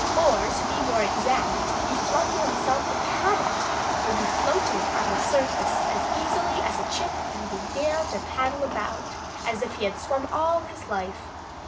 Or to be more exact, he flung himself upon it; for he floated on the surface as easily as a chip and began to paddle about as if he had swum all his life.